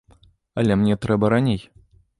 Але мне трэба раней.